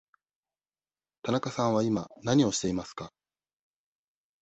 田中さんは今何をしていますか。